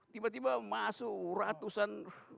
tiba tiba masuk ratusan